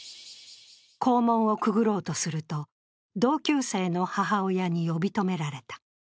校門をくぐろうとすると、同級生の母親に呼び止められた。